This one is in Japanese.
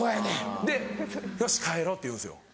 で「よし帰ろう」って言うんですよ。